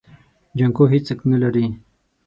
جانکو هيڅوک نه لري.